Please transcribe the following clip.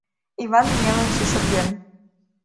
Иван нелын сусырген.